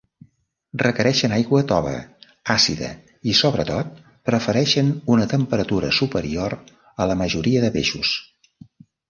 Requereixen aigua tova, àcida i sobretot prefereixen una temperatura superior a la majoria de peixos.